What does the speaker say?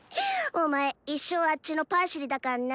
お前一生あッチのパシリだかんな！